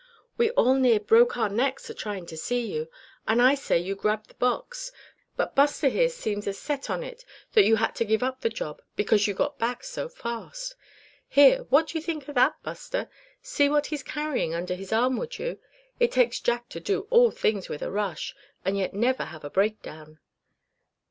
"We all near broke our necks a tryin' to see; and I say you grabbed the box; but Buster here seems as set on it that you had to give up the job, because you got back so fast. Here, what d'ye think of that, Buster? See what he's a carryin' under his arm, would you? It takes Jack to do things with a rush, and yet never have a breakdown!"